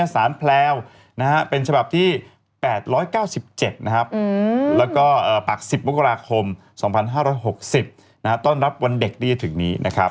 สารแพรวเป็นฉบับที่๘๙๗แล้วก็ปาก๑๐มกราคม๒๕๖๐ต้อนรับวันเด็กที่จะถึงนี้